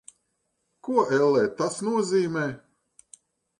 Ko, ellē, tas nozīmē?